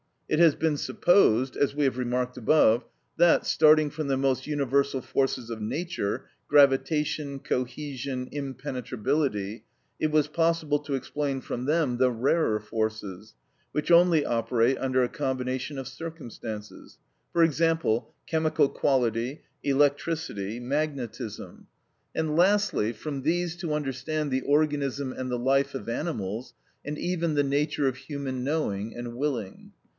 It has been supposed, as we have remarked above, that, starting from the most universal forces of nature (gravitation, cohesion, impenetrability), it was possible to explain from them the rarer forces, which only operate under a combination of circumstances (for example, chemical quality, electricity, magnetism), and, lastly, from these to understand the organism and the life of animals, and even the nature of human knowing and willing.